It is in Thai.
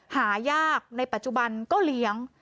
หายากในปัจจุบันก็เลี้ยง